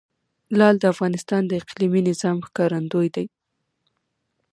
لعل د افغانستان د اقلیمي نظام ښکارندوی ده.